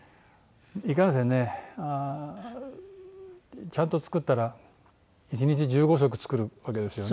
いかんせんねちゃんと作ったら１日１５食作るわけですよね。